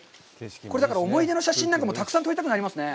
これ、思い出の写真なんかもたくさん撮りたくなりますね。